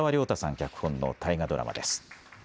脚本の大河ドラマです。